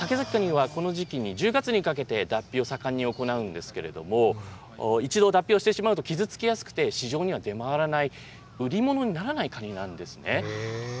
カニはこの時期に１０月にかけて脱皮を盛んに行うんですけれども、一度脱皮をしてしまうと傷つきやすくて、市場には出回らない、売り物にならないカニなんですね。